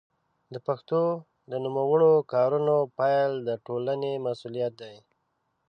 د پښتو د نوموړو کارونو پيل د ټولنې مسوولیت دی.